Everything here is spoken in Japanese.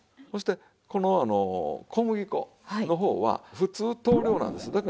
そしてこの小麦粉の方は普通等量なんです。